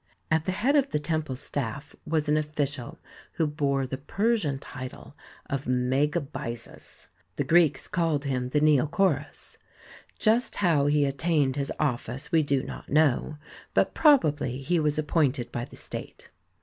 At the head of the temple staff was an official who bore the Persian title of Megabyzus; the Greeks called him the Neocorus. Just how he attained his office, we do not know, but probably he was appointed by the state.